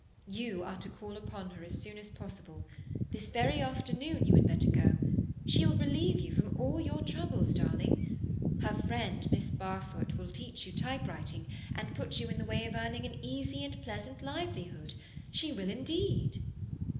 You are to call upon her as soon as possible. This very after noon you had better go. She will relieve you from all your troubles darling. Her friend, Miss Barfoot, will teach you typewriting, and put you in the way of earning an easy and pleasant livelihood. She will, indeed!"